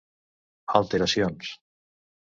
Alteracions: